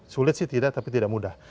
sulit sih tidak tapi tidak mudah